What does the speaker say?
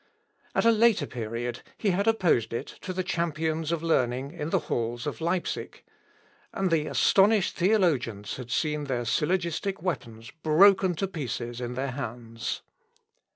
At a later period he had opposed it to the champions of learning in the halls of Leipsic, and the astonished theologians had seen their syllogistic weapons broken to pieces in their hands.